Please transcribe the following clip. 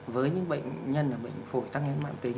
với những bệnh nhân là bệnh phổi tăng nét mạng tính